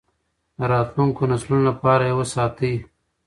د راتلونکو نسلونو لپاره یې وساتئ.